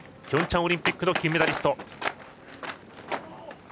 ピョンチャンオリンピックの金メダリスト。